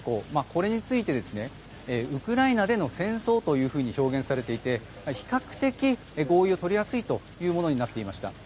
これについてウクライナでの戦争と表現されていて比較的、合意を取りやすいものになっていました。